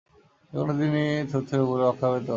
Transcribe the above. যে কোনাে দিনই থুথুড়ে বুড়ােটা অক্কা পেতে পারে।